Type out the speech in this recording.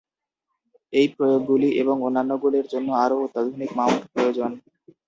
এই প্রয়োগগুলি এবং অন্যান্যগুলির জন্য আরও অত্যাধুনিক মাউন্ট প্রয়োজন।